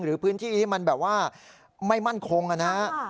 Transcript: หรือพื้นที่ที่มันแบบว่าไม่มั่นคงนะครับ